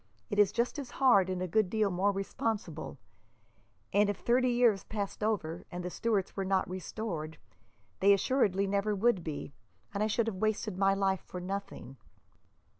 It is just as hard, and a good deal more responsible; and if thirty years passed over, and the Stuarts were not restored, they assuredly never would be, and I should have wasted my life for nothing."